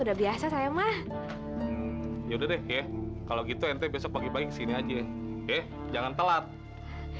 udah biasa saya mah yaudah deh kalau gitu blogger besok pagi pagi gini aja eh jangan telat ya udah